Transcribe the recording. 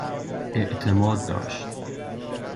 اعتماد داشت